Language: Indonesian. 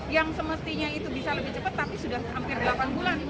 yang semestinya itu bisa lebih cepat tapi sudah hampir delapan bulan